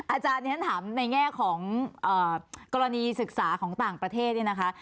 อาจารย์ที่ฉันถามในแง่ของกรณีศึกษาของต่างประเทศเนี่ยนะคะ